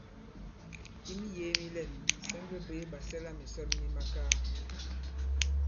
I miyēē mi lɛ̂n, sa ŋge bwě ɓàsɛlamìsɔn mi makaa.